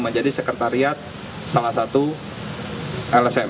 menjadi sekretariat salah satu lsm